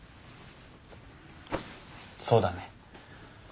そうだね。